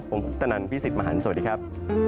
ผมคุปตนันพี่สิทธิ์มหันฯสวัสดีครับ